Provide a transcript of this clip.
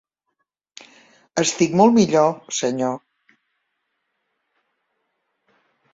Estic molt millor, senyor.